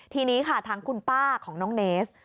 ทีนี้ค่ะทางคุณป้าของน้องเนส